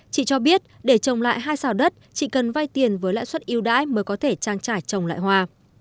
chị cho biết để trồng lại hai xào đất chỉ cần vay tiền với lãi suất yêu đãi mới có thể trang trải trồng lại hoa